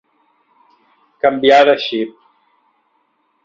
Canviar de xip.